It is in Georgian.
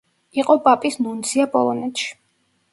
იყო პაპის ნუნცია პოლონეთში.